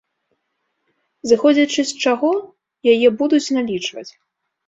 Зыходзячы з чаго яе будуць налічваць?